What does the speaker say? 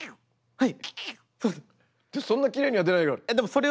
はい。